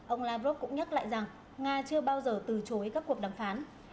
ông lavrov cũng nhắc lại rằng nga chưa bao giờ từ chối các cuộc đàm phán